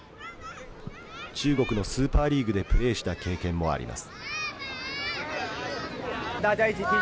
中国のスーパーリーグでプレーした経験もあります。